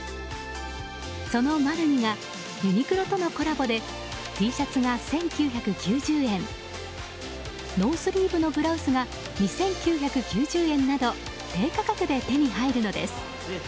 そのマルニがユニクロとのコラボでＴシャツが１９９０円ノースリーブのブラウスが２９９０円など低価格で手に入るのです。